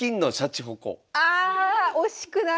あ惜しくない。